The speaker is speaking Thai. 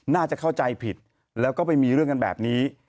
น่าจะเข้าใจผิดแล้วก็ไปมีเรื่องกันแบบนี้